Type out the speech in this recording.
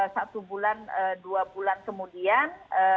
satu bulan dua bulan kemudian